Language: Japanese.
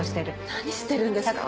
何してるんですか。